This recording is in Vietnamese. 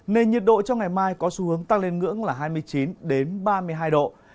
nền nhiệt độ trong ngày mai có xu hướng tăng lên ngưỡng là hai mươi chín ba mươi hai độ